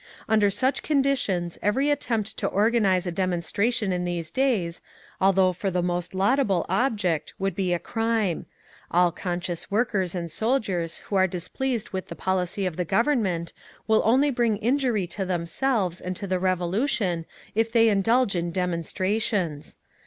"Under such conditions every attempt to organise a demonstration in these days, although for the most laudable object, would be a crime. All conscious workers and soldiers who are displeased with the policy of the Government will only bring injury to themselves and to the Revolution if they indulge in demonstrations.